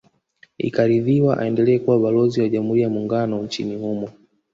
Ikaridhiwa aendelee kuwa Balozi wa Jamhuri ya Muungano nchini humo